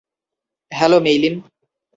Hello, Meilin.